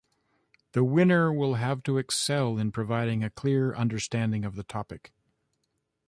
The winner will have to excel in providing a clear understanding of the topic.